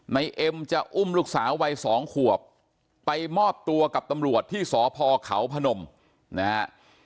เอ็มจะอุ้มลูกสาววัยสองขวบไปมอบตัวกับตำรวจที่สพเขาพนมนะฮะ